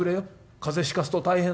風邪ひかすと大変。